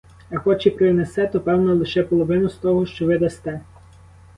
А хоч і принесе, то певно лише половину з того, що ви дасте.